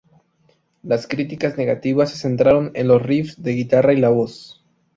Las críticas negativas se centraron en los riffs de guitarra y la voz.